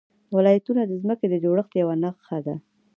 ولایتونه د ځمکې د جوړښت یوه نښه ده.